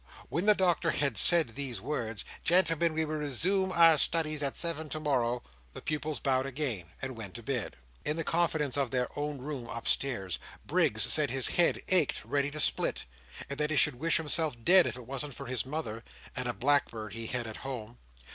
When the Doctor had said these words, "Gentlemen, we will resume our studies at seven tomorrow," the pupils bowed again, and went to bed. In the confidence of their own room upstairs, Briggs said his head ached ready to split, and that he should wish himself dead if it wasn't for his mother, and a blackbird he had at home.